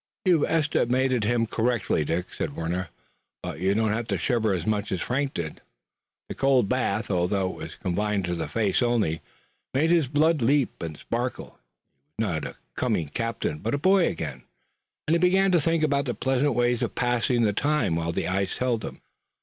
"You've estimated him correctly, Dick," said Warner, "but you don't have to shiver as much as Frank did." The cold bath, although it was confined to the face only, made his blood leap and sparkle. He was not a coming captain but a boy again, and he began to think about pleasant ways of passing the time while the ice held them.